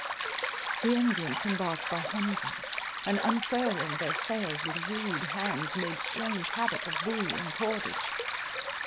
The emigrants embarked by hundreds, and unfurling their sails with rude hands, made strange havoc of buoy and cordage.